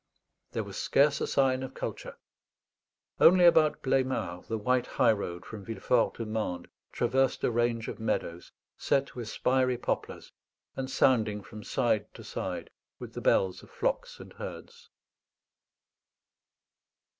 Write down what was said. There was scarce a sign of culture; only about Bleymard, the white high road from Villefort to Mende traversed a range of meadows, set with spiry poplars, and sounding from side to side with the bells of flocks and herds.